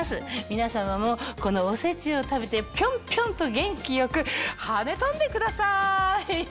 皆様もこのおせちを食べてピョンピョンと元気よく跳ね飛んでください！